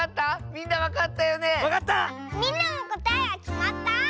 みんなもこたえはきまった？